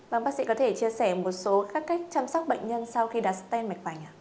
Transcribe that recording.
vâng bác sĩ có thể chia sẻ một số các cách chăm sóc bệnh nhân sau khi đặt stent mạch vành ạ